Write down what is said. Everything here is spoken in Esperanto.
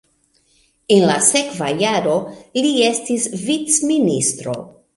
En la sekva jaro li estis vicministro.